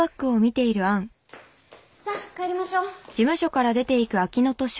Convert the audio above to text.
さあ帰りましょう。